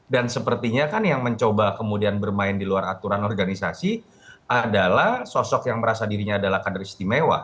dan sepertinya kan yang mencoba kemudian bermain di luar aturan organisasi adalah sosok yang merasa dirinya adalah kader istimewa